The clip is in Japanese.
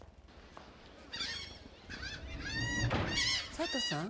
佐都さん。